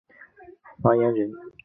发言人坚称此对工作无影响。